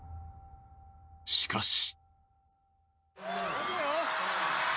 しかし。